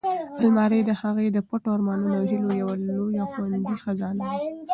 المارۍ د هغې د پټو ارمانونو او هیلو یوه لویه او خوندي خزانه وه.